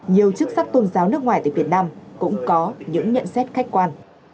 nhiều chức sắc tôn giáo nước ngoài tại việt nam cũng có những nhận xét khách quan